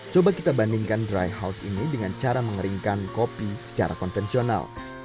coba kita bandingkan dry house ini dengan cara mengeringkan kopi secara konvensional